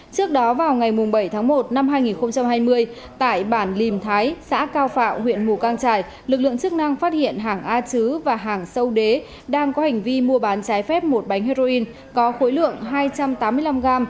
trước đó vào ngày bảy tháng một năm hai nghìn hai mươi tại bản lìm thái xã cao phạo huyện mù căng trải lực lượng chức năng phát hiện hàng a chứ và hàng sâu đế đang có hành vi mua bán trái phép một bánh heroin có khối lượng hai trăm tám mươi năm g